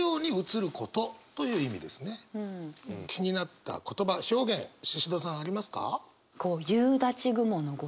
気になった言葉表現シシドさんありますか？